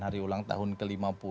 hari ulang tahun ke lima puluh